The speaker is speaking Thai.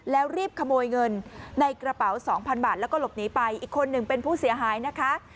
แล้วรีบขโมยเงินในกระเป๋าสองพันบาทแล้วก็หลบหนีไปอีกคนหนึ่งเป็นผู้เสียหายนะคะ